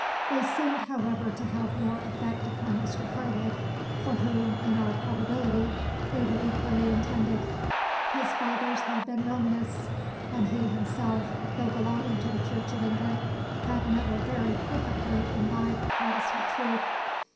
They seemed, however, to have more effect upon Mr Harwood, for whom, in all probability, they were equally intended. His fathers had been Romanists, and he himself, though belonging to the Church of England, had never very perfectly imbibed Protestant truth.